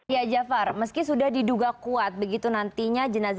ya jafar meski sudah diduga kuat begitu nantinya jenazah